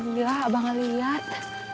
alhamdulillah abah ngeliat